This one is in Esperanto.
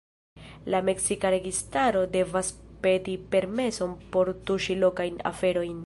La meksika registaro devas peti permeson por tuŝi lokajn aferojn.